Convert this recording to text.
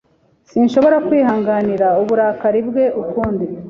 Sinshobora kwihanganira uburakari bwe ukundi.